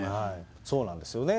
そうなんですよね。